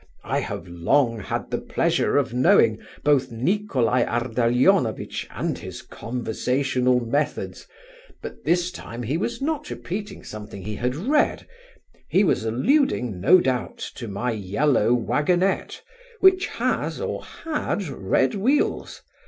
I have long had the pleasure of knowing both Nicholai Ardalionovitch and his conversational methods, but this time he was not repeating something he had read; he was alluding, no doubt, to my yellow waggonette, which has, or had, red wheels.